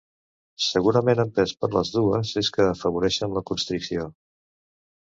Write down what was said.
Segurament empès per les dues es que afavoreixen la constricció.